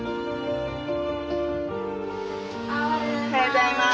おはようございます。